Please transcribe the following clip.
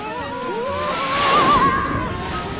うわ！